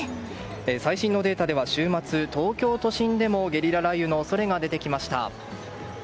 最新のデータでは週末、東京都心でもゲリラ雷雨の恐れが出てきました。